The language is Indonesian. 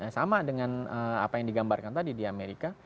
sama dengan apa yang digambarkan tadi di amerika